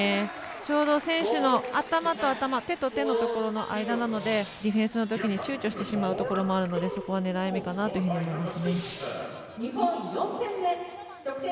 ちょうど選手の頭と頭手と手の間なのでディフェンスのときにちゅうちょしてしまうところがあるのでそこは狙い目かなと思います。